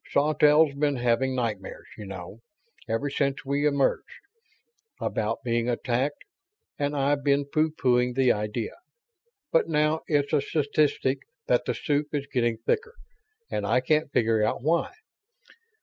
Sawtelle's been having nightmares, you know, ever since we emerged, about being attacked, and I've been pooh poohing the idea. But now it's a statistic that the soup is getting thicker, and I can't figure out why.